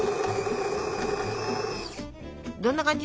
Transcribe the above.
どんな感じ？